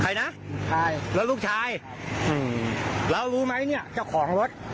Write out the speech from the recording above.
ใครนะลูกชายแล้วลูกชายเรารู้ไหมเนี่ยเจ้าของรถ